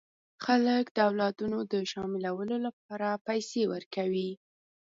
خلک د اولادونو د شاملولو لپاره پیسې ورکوي.